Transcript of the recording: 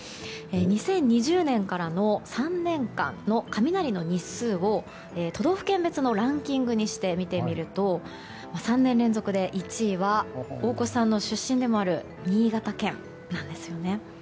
２０２０年からの３年間の雷の日数を都道府県別のランキングにして見てみると３年連続で１位は大越さんの出身でもある新潟県なんですよね。